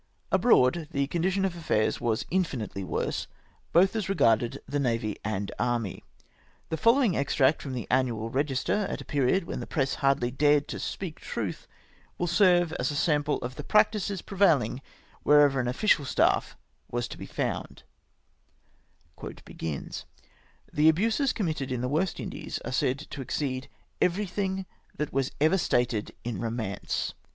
Abroad the condition of affairs was infinitely worse, both as regarded the navy and army. The following extract from the " Annual Eegister," at a period when the press hardly dared to speak truth, will serve as a sample of the practices prevaihng wherever an official staff was to be found :—" The abuses committed in the West Indies are said to ex ceed ever3rthing that was ever stated in romance.